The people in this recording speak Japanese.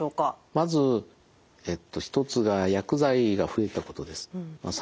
まず一つが薬剤が増えたことです。